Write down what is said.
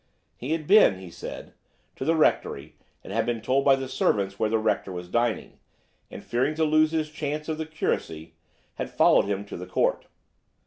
He had been, he said, to the Rectory and had been told by the servants where the Rector was dining, and fearing to lose his chance of the curacy, had followed him to the Court.